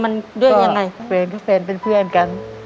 ก็เฟรนก็เฟรนเป็นเพื่อนกัน